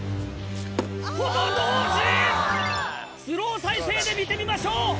スロー再生で見てみましょう。